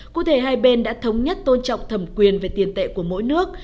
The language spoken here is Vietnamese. cụ thể hai bên đã thống nhất tôn trọng thẩm quyền về tiền tệ của mỗi nước